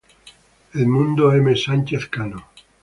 Edmundo M. Sánchez Cano.